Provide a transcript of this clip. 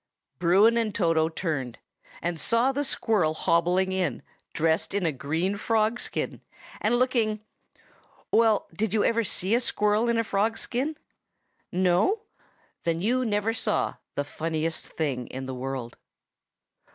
Bruin and Toto turned, and saw the squirrel hobbling in, dressed in a green frog skin, and looking—well, did you ever see a squirrel in a frog skin? No? Then you never saw the funniest thing in the world.